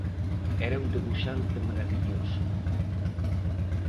Era un debuxante marabilloso.